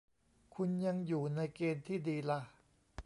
คุณยังอยู่ในเกณฑ์ที่ดีล่ะ